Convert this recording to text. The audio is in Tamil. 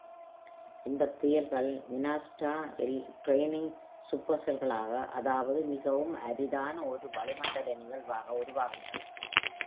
இந்த புயல்கள் Minnesota இல் training supercell-களாக அதாவது மிகவும் அரிதான ஒரு வளிமண்டல நிகழ்வாக உருவாகின்றன.